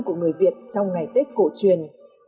của người việt trong ngày tết cổ truyền